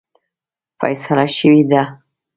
فیصله شوې ده.